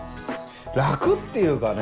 楽っていうかね